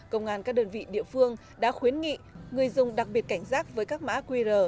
công an các đơn vị địa phương đã khuyến nghị người dùng đặc biệt cảnh giác với các mã qr